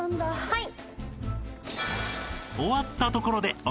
はい。